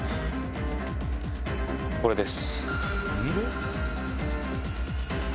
これです。